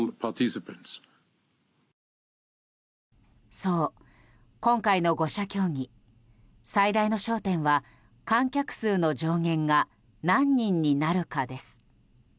そう、今回の５者協議最大の焦点は観客数の上限が何人になるかです。